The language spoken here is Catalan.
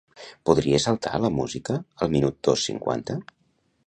Podries saltar la música al minut dos cinquanta?